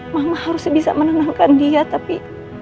mama harusnya bisa menanamkan dia tapi